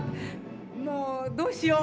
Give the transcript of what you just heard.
「もうどうしよう？